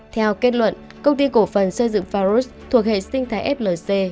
theo kết luận công ty cổ phần xây dựng pharos thuộc hệ sinh thái flc